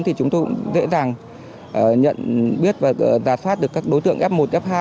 thì chúng tôi cũng dễ dàng nhận biết và giả soát được các đối tượng f một f hai